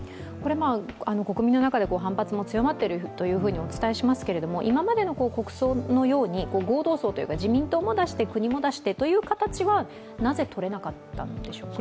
国民の中で反発も強まっているとお伝えしますが今までの国葬のように合同葬、自民党も出して国も出してという形はなぜとれなかったんでしょうか。